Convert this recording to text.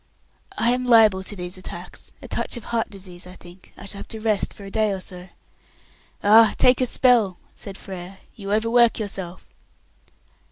"I am liable to these attacks. A touch of heart disease, I think. I shall have to rest for a day or so." "Ah, take a spell," said Frere; "you overwork yourself."